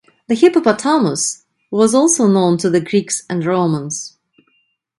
The hippopotamus was also known to the Greeks and Romans.